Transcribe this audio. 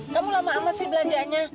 kamu lama amat sih belanjanya